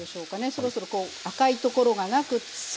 そろそろこう赤いところがなく。